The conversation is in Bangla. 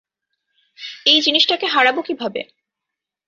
এই জিনিসটাকে হারাব কীভাবে?